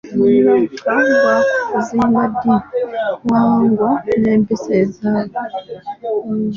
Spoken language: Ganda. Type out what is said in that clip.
Omulaka gwa kuzimba dddiini, ebyobuwangwa n'empisa z'eggwanga.